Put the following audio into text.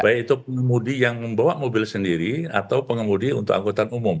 baik itu pengemudi yang membawa mobil sendiri atau pengemudi untuk angkutan umum